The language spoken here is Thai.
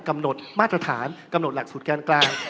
กำหนดมาตรฐานกำหนดหลักสูตรการกลาง